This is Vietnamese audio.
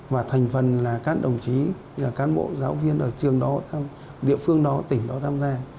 và thành phần là các đồng chí các bộ giáo viên ở trường đó địa phương đó tỉnh đó tham gia